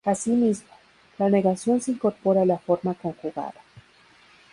Asimismo, la negación se incorpora a la forma conjugada.